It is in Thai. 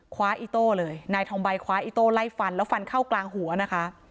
อีโต้เลยนายทองใบคว้าอิโต้ไล่ฟันแล้วฟันเข้ากลางหัวนะคะ